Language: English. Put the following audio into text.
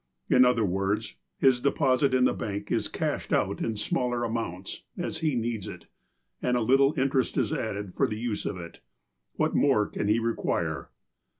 In other words, his de posit in the bank is cashed out in smaller amounts, as he needs it, and a little interest added for the use of it. What more cau he require